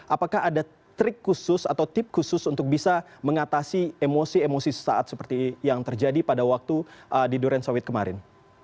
apakah ada trik khusus atau tip khusus untuk bisa mengatasi emosi emosi sesaat seperti yang terjadi pada waktu di duren sawit kemarin